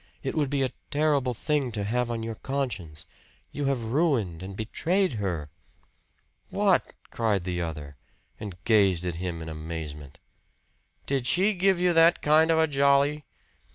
It would be a terrible thing to have on your conscience. You have ruined and betrayed her." "WHAT!" cried the other, and gazed at him in amazement. "Did she give you that kind of a jolly?"